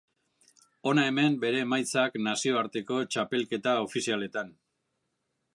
Hona hemen bere emaitzak nazioarteko txapelketa ofizialetan.